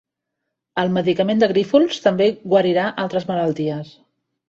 El medicament de Grífols també guarirà altres malalties